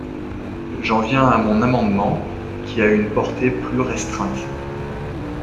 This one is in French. J’en viens à mon amendement, qui a une portée plus restreinte.